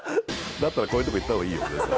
だったらこういうとこ行った方がいいよ全然。